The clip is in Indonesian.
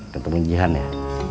ketemu jihan ya